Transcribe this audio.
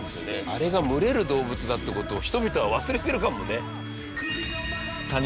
あれが群れる動物だって事を人々は忘れてるかもね。